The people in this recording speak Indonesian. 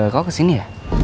kau kesini ya